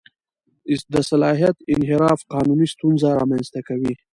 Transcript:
د صلاحیت انحراف قانوني ستونزه رامنځته کوي.